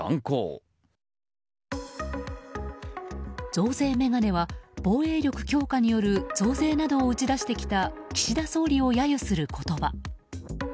増税メガネは防衛力強化による増税などを打ち出してきた岸田総理を揶揄する言葉。